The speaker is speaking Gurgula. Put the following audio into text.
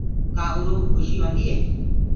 ڪآ اُروئو کُشي هوندي ئي